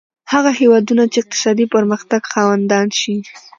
هغه هېوادونه چې اقتصادي پرمختګ خاوندان شي.